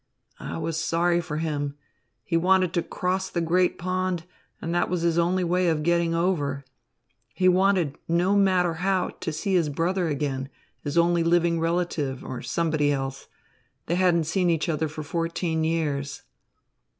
I was sorry for him. He wanted to cross the great pond, and that was his only way of getting over. He wanted, no matter how, to see his brother again, his only living relative, or somebody else. They hadn't seen each other for fourteen years."